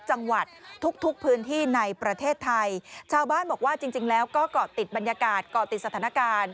จังหวัดทุกทุกพื้นที่ในประเทศไทยชาวบ้านบอกว่าจริงจริงแล้วก็เกาะติดบรรยากาศเกาะติดสถานการณ์